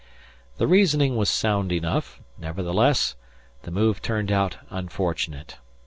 The reasoning was sound enough; nevertheless, the move turned out unfortunate.